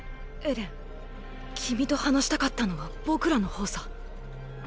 エレン君と話したかったのは僕らの方さ。